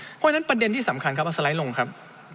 เพราะฉะนั้นประเด็นที่สำคัญครับเอาสไลด์ลงครับ